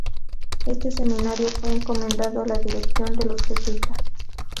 Este Seminario fue encomendado a la dirección de los Jesuitas.